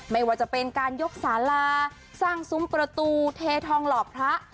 ไม่ว่าจะเป็นการยกสาลาสร้างซุ้มประตูเททองหล่อพระ